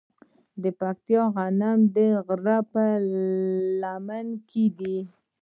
د پکتیا غنم د غره په لمن کې دي.